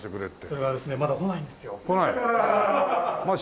それはですねまだ来ないんですよ。来ないの？